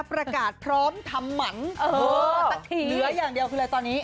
ประกาศพร้อมทำหมันเหลืออย่างเดียวคืออะไรตอนนี้